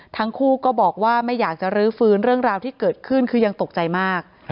ทั้งคู่ก็บอกว่าไม่อยากจะรื้อฟื้นเรื่องราวที่เกิดขึ้นคือยังตกใจมาก